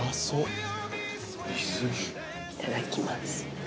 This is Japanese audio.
いただきます。